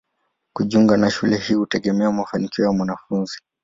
Kujiunga na shule hii hutegemea mafanikio ya mwanafunzi.